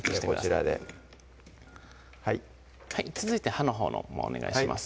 こちらで続いて葉のほうもお願いします